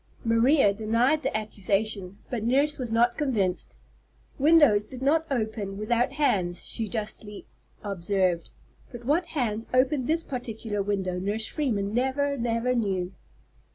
Maria denied the accusation, but Nurse was not convinced. "Windows did not open without hands," she justly observed. But what hands opened this particular window Nurse Freeman never, never knew!